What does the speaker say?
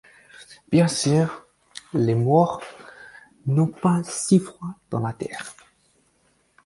Bien sûr, les morts n'ont pas si froid dans la terre.